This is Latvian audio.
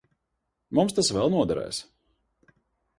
Mums tas vēl noderēs.